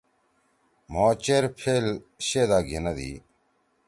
مھو چیر پھیل شِدا گھیِنَدی۔